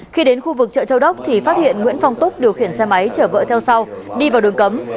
khi đến khu vực chợ châu đốc thì phát hiện nguyễn phong túc điều khiển xe máy chở vợ theo sau đi vào đường cấm